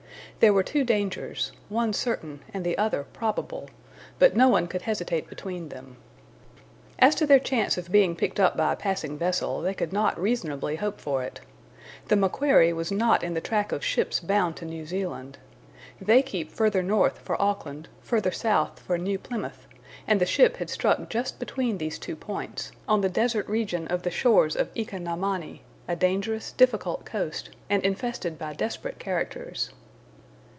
There were two dangers, one certain and the other probable, but no one could hesitate between them. As to their chance of being picked up by a passing vessel, they could not reasonably hope for it. The MACQUARIE was not in the track of ships bound to New Zealand. They keep further north for Auckland, further south for New Plymouth, and the ship had struck just between these two points, on the desert region of the shores of Ika na Mani, a dangerous, difficult coast, and infested by desperate characters.